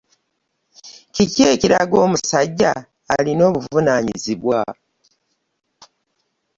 Kiki ekiraga omusajja alina obuvunaanyizibwa?